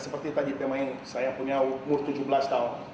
seperti tadi pemain saya punya umur tujuh belas tahun